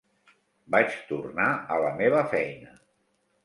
Vaig tornar a la meva feina.